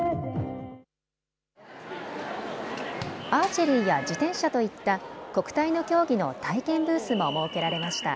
アーチェリーや自転車といった国体の競技の体験ブースも設けられました。